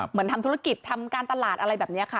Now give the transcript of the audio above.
เหมือนทำธุรกิจทำการตลาดอะไรแบบนี้ค่ะ